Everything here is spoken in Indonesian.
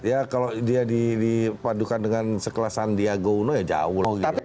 ya kalau dia dipadukan dengan sekelasan diago uno ya jauh